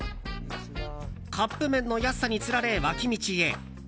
カップ麺の安さにつられ脇道へ。